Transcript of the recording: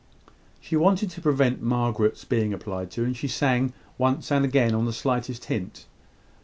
She wanted to prevent Margaret's being applied to, and she sang, once and again, on the slightest hint.